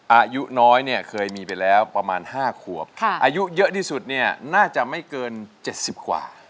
อายุน้อยเนี่ยเคยมีไปแล้วประมาณ๕ขวบอายุเยอะที่สุดเนี่ยน่าจะไม่เกิน๗๐กว่า